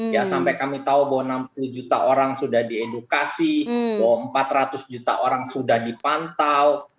ya sampai kami tahu bahwa enam puluh juta orang sudah diedukasi bahwa empat ratus juta orang sudah dipantau